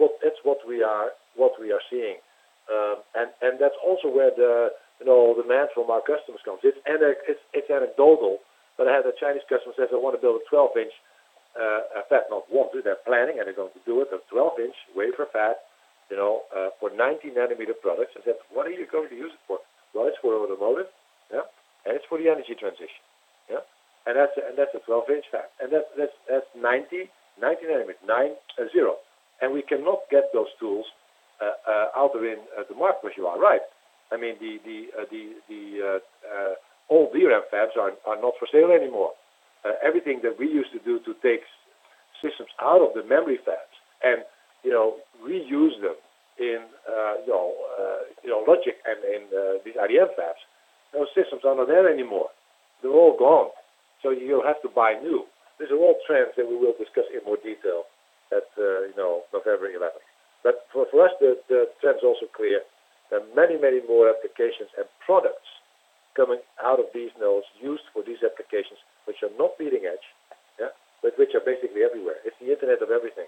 It's what we are seeing. That's also where the, you know, demand from our customers comes. It's anecdotal, but I had a Chinese customer says they want to build a 12-inch fab node. Well, they're planning, and they're going to do it, a 12-inch wafer fab, you know, for 90-nanometer products. I said, "What are you going to use it for?" "Well, it's for automotive, yeah, and it's for the energy transition." Yeah. That's a 12-inch fab. That's 90 nanometer, nine zero. We cannot get those tools out of the market. You are right. I mean, the old DRAM fabs are not for sale anymore. Everything that we used to do to take systems out of the Memory Fabs and, you know, reuse them in, you know, you know, Logic and in, these IDM fabs, those systems are not there anymore. They're all gone. You'll have to buy new. These are all trends that we will discuss in more detail at, you know, November eleventh. For us, the trend's also clear that many, many more applications and products coming out of these nodes used for these applications which are not leading edge, yeah, but which are basically everywhere. It's the Internet of Everything.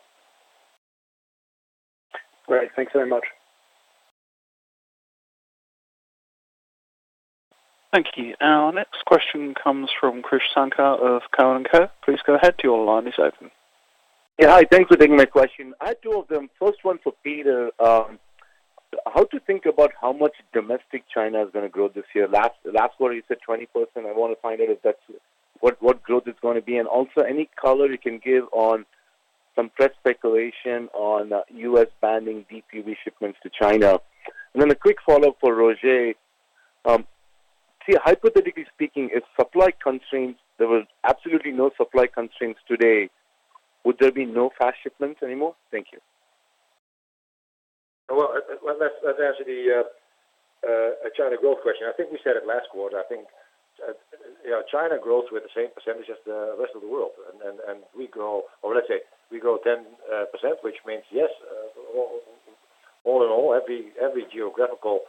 Great. Thanks very much. Thank you. Our next question comes from Krish Sankar of Cowen and Company. Please go ahead. Your line is open. Yeah. Hi. Thanks for taking my question. I have two of them. First one for Peter. How to think about how much domestic China is gonna grow this year. Last quarter you said 20%. I want to find out if that's what growth is going to be. Also any color you can give on some press speculation on U.S. banning DUV shipments to China. Then a quick follow-up for Roger. Hypothetically speaking, if there was absolutely no supply constraints today, would there be no fast shipments anymore? Thank you. Well, let's answer the China growth question. I think we said it last quarter. I think you know, China grows with the same percentage as the rest of the world. We grow or let's say we grow 10%, which means, yes, all in all, every geographical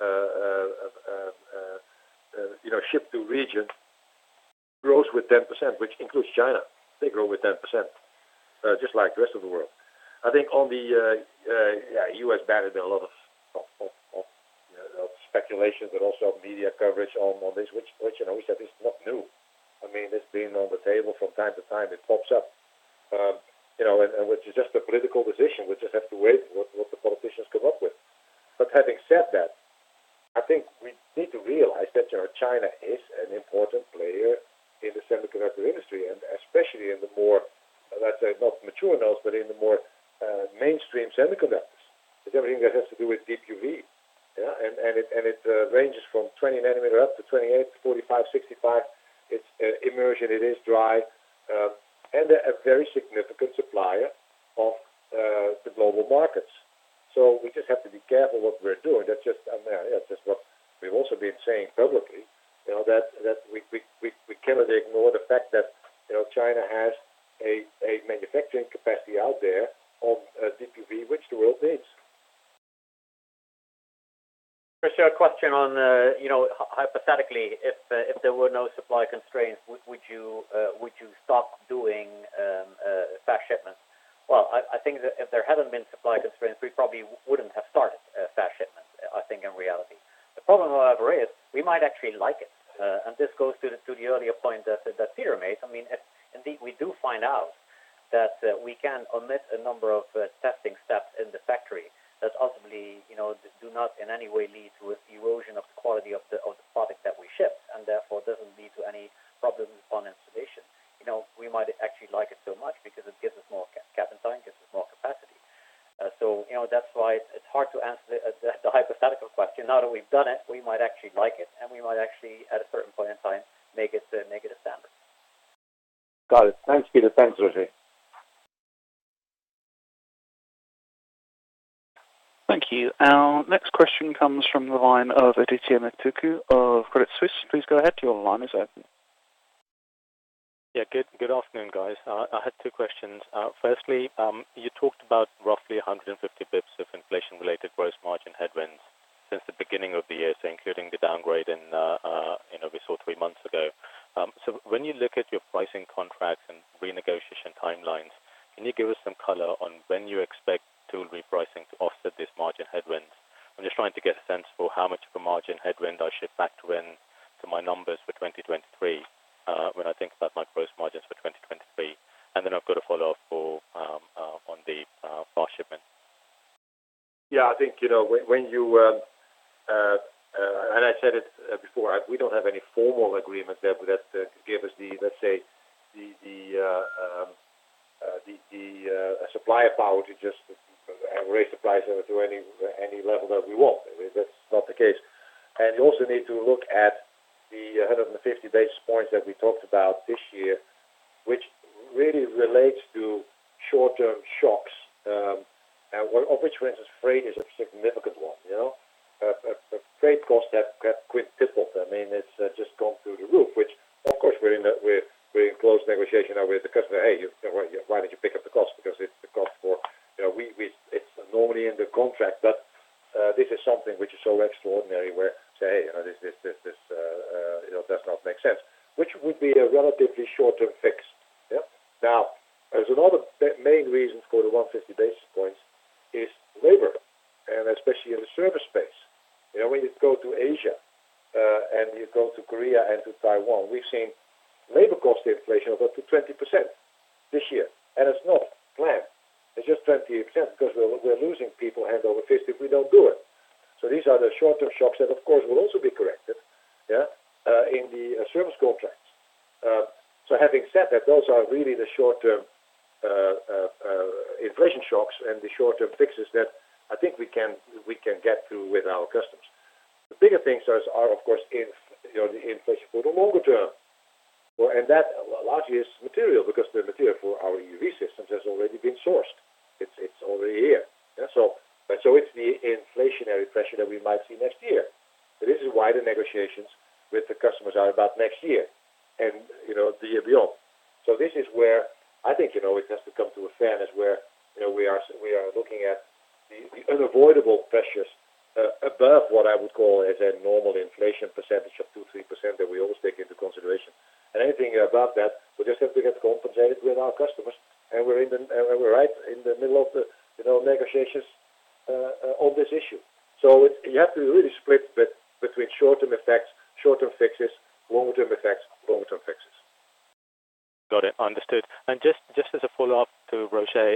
you know, ship to region grows with 10%, which includes China. They grow with 10% just like the rest of the world. I think on the U.S. ban, there's been a lot of you know, speculation but also media coverage on this which you know, which is not new. I mean, it's been on the table from time to time. It pops up you know, which is just a political decision. We just have to wait and see what the politicians come up with. Having said that, I think we need to realize that China is an important player in the semiconductor industry, and especially in the more, let's say, not mature nodes, but in the more mainstream semiconductors. It's everything that has to do with DUV. It ranges from 20 nanometer up to 28 to 45, 65. It's immersion, it is dry, and a very significant supplier of the global markets. We just have to be careful what we're doing. That's just, I mean, that's just what we've also been saying publicly, you know, that we cannot ignore the fact that, you know, China has a manufacturing capacity out there on DUV, which the world needs. Krish, your question on, you know, hypothetically, if there were no supply constraints, would you stop doing fast shipments? Well, I think that if there hadn't been supply constraints, we probably wouldn't have started fast shipments, I think in reality. The problem, however, is we might actually like it. This goes to the earlier point that Peter made. I mean, if indeed we do find out that we can omit a number of testing steps in the factory that ultimately, you know, do not in any way lead to an erosion of the quality of the product that we ship, and therefore doesn't lead to any problems upon installation. You know, we might actually like it so much because it gives us more capacity and time. You know, that's why it's hard to answer the hypothetical question. Now that we've done it, we might actually like it, and we might actually, at a certain point in time, make it a standard. Got it. Thanks, Peter. Thanks, Roger. Thank you. Our next question comes from the line of Adithya Metuku of Credit Suisse. Please go ahead, your line is open. Yeah. Good afternoon, guys. I had two questions. First, you talked about roughly 150 basis points of inflation-related gross margin headwinds since the beginning of the year, including the downgrade and, you know, we saw three months ago. So when you with the customers are about next year and, you know, the year beyond. This is where I think, you know, it has to come to a fair assessment where, you know, we are looking at the unavoidable pressures above what I would call as a normal inflation percentage of 2%-3% that we always take into consideration. Anything above that, we just have to get compensated with our customers, and we're right in the middle of the, you know, negotiations on this issue. You have to really split between short-term effects, short-term fixes, long-term effects, long-term fixes. Got it. Understood. Just as a follow-up to Roger,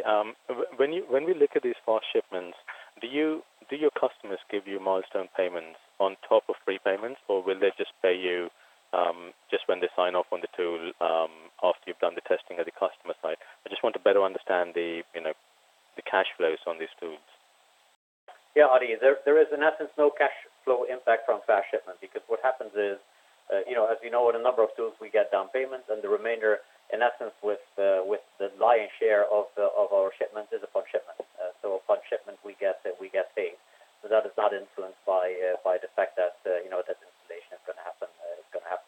when we look at these fast shipments, do your customers give you milestone payments on top of prepayments, or will they just pay you just when they sign off on the tool, after you've done the testing at the customer site? I just want to better understand the, you know, the cash flows on these tools. Yeah, Adithya. There is in essence no cash flow impact from fast shipment because what happens is, you know, as you know, with a number of tools we get down payments and the remainder, in essence with the lion's share of our shipments is upon shipment. Upon shipment we get paid. That is not influenced by the fact that, you know, that installation is gonna happen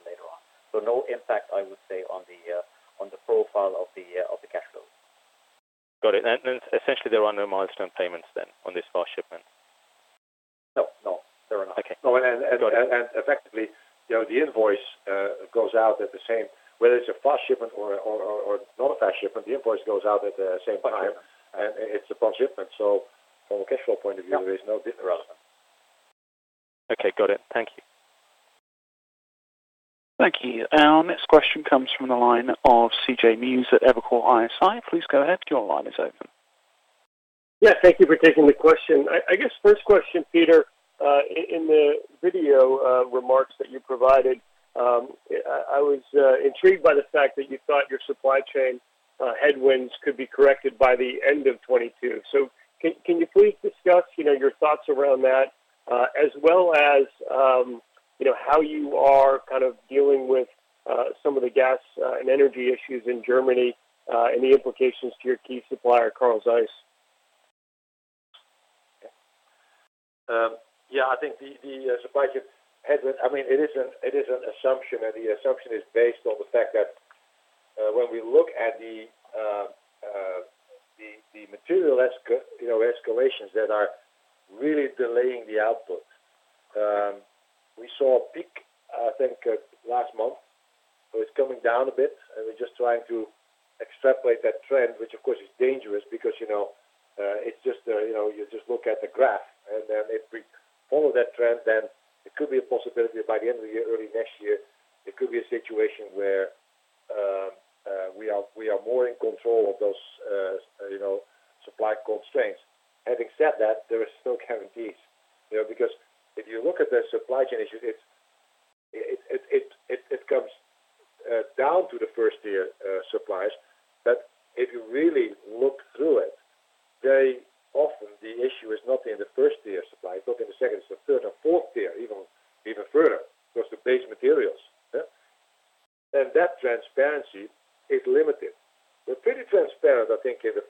later on. No impact, I would say, on the profile of the cash flows. Got it. Essentially there are no milestone payments then on this fast shipment? No, there are not. Okay. No. Got it. Effectively, you know, the invoice goes out at the same time whether it's a fast shipment or not a fast shipment. The invoice goes out at the same time, and it's upon shipment. From a cash flow point of view, there is no difference. Okay. Got it. Thank you. Thank you. Our next question comes from the line of C.J. Muse at Evercore ISI. Please go ahead. Your line is open. Yeah. Thank you for taking the question. I guess first question, Peter, in the video remarks that you provided, I was intrigued by the fact that you thought your supply chain headwinds could be corrected by the end of 2022. Can you please discuss, you know, your thoughts around that, as well as, you know, how you are kind of dealing with some of the gas and energy issues in Germany, and the implications to your key supplier, Carl Zeiss? Yeah, I think the supply chain headwind, I mean, it is an assumption, and the assumption is based on the fact that when we look at the material escalations that are really delaying the output. We saw a peak, I think, last month. So it's coming down a bit, and we're just trying to extrapolate that trend, which of course is dangerous because, you know, it's just, you know, you just look at the graph, and then if we follow that trend, then it could be a possibility by the end of the year, early next year, it could be a situation where we are more in control of those, you know, supply constraints. Having said that, there is no guarantees, you know, because if you look at the supply chain issues, it comes down to the first-tier suppliers. If you really look through it, very often, the issue is not in the first tier of suppliers, it's not in the second, it's the third or fourth tier, even further towards the base materials. Yeah. That transparency is limited. We're pretty transparent, I think, in the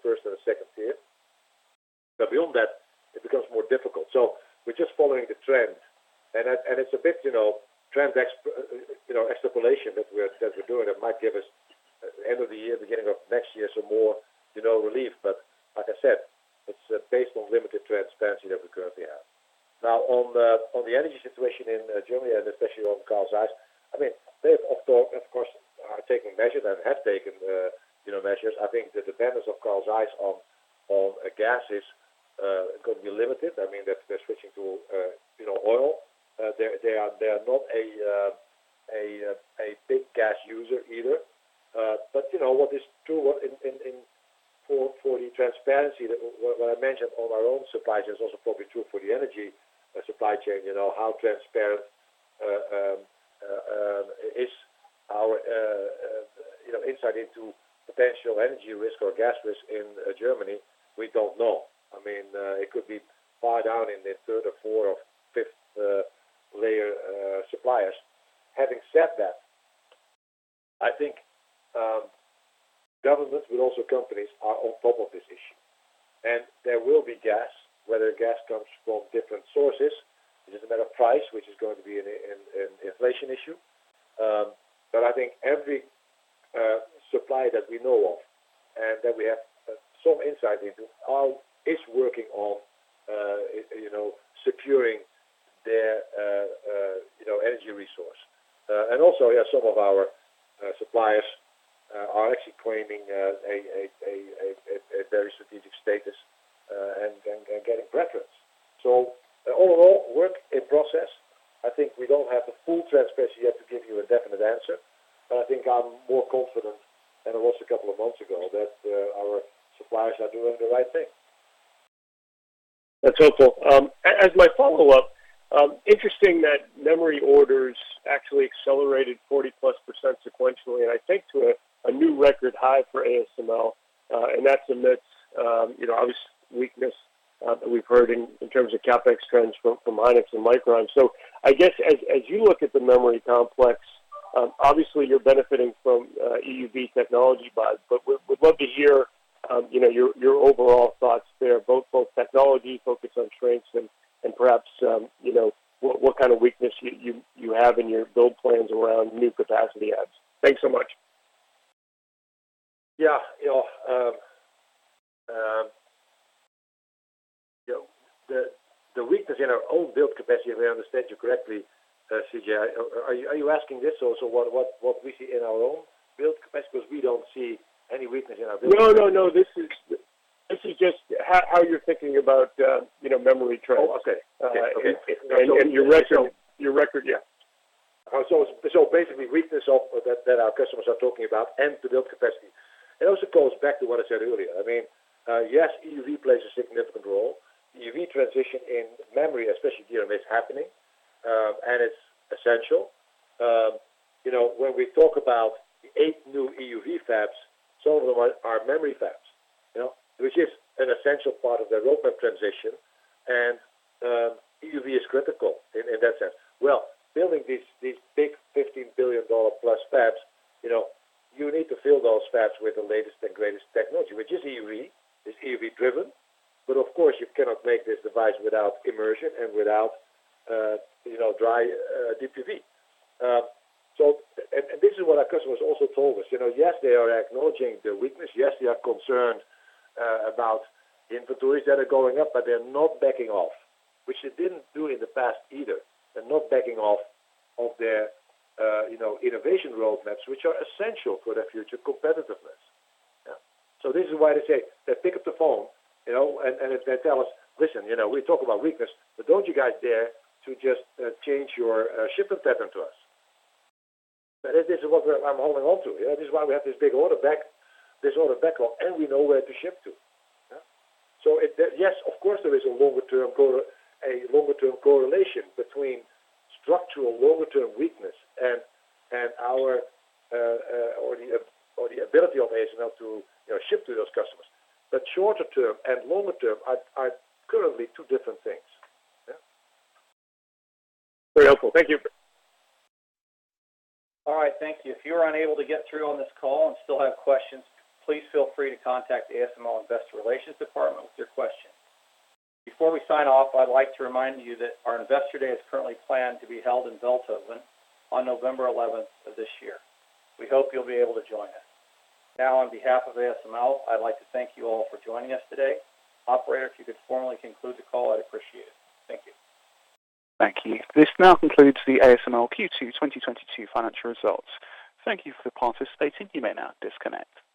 first and interesting that memory orders actually accelerated 40-plus% sequentially, and I think to a new record high for ASML. That's amidst, you know, obvious weakness that we've heard in terms of CapEx trends from Hynix and Micron. I guess as you look at the memory complex, obviously you're benefiting from EUV technology buys, but we'd love to hear, you know, your overall thoughts there, both technology focused on strengths and perhaps, you know, what kind of weakness you have in your build plans around new capacity adds. Thanks so much. Yeah. You know, you know, the weakness in our own build capacity, if I understand you correctly, C.J., are you asking this also what we see in our own build capacity? Because we don't see any weakness in our own build capacity. No, no. This is just how you're thinking about, you know, memory trends. Okay. Your record, yeah. Basically weakness of that that our customers are talking about and the build capacity. It also goes back to what I said earlier. I mean, yes, EUV plays a significant role. EUV transition in memory, especially DRAM, is happening, and it's essential. You know, when we talk about the eight new EUV Fabs, some of them are Memory Fabs, you know, which is an essential part of the roadmap transition. EUV is critical in that sense. Well, building these big $15 billion+ fabs, you know, you need to fill those fabs with the latest and greatest technology, which is EUV. It's EUV driven. Of course, you cannot make this device without immersion and without dry DUV. This is what our customers also told us. You know, yes, they are acknowledging their weakness. Yes, they are concerned about inventories that are going up, but they're not backing off, which they didn't do in the past either. They're not backing off of their innovation roadmaps, which are essential for their future competitiveness. Yeah. This is why they say they pick up the phone, you know, and they tell us, "Listen, you know, we talk about weakness, but don't you guys dare to just change your shipping pattern to us." This is what I'm holding on to. This is why we have this big order backlog, and we know where to ship to. Yeah. Yes, of course, there is a longer term correlation between structural longer term weakness and our or the ability of ASML to, you know, ship to those customers. But shorter term and longer term are currently two different things. Yeah. Very helpful. Thank you. All right. Thank you. If you are unable to get through on this call and still have questions, please feel free to contact the ASML Investor Relations department with your questions. Before we sign off, I'd like to remind you that our Investor Day is currently planned to be held in Veldhoven on November eleventh of this year. We hope you'll be able to join us. Now on behalf of ASML, I'd like to thank you all for joining us today. Operator, if you could formally conclude the call, I'd appreciate it. Thank you. Thank you. This now concludes the ASML Q2 2022 financial results. Thank you for participating. You may now disconnect.